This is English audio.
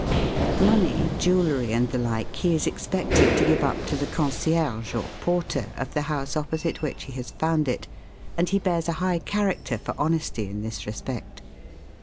Money, jewellery, and the like, he is expected to give up to the concierge, or porter, of the house opposite which he has found it, and he bears a high character for honesty in this respect.